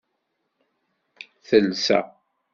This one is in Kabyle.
Telsa.